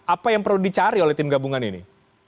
apa yang perlu dicari oleh tim gabungan ini